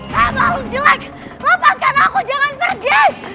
hei makhluk jelek lepaskan aku jangan pergi